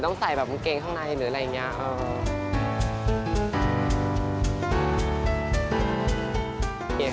ต้องใส่แบบมันเองข้างในหรืออะไรอย่างเงี้ย